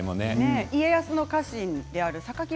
家康の家臣である榊原